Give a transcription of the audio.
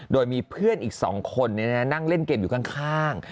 โดยมีเพื่อนอีกสองคนเนี้ยนะนั่งเล่นเกมอยู่ข้างข้าง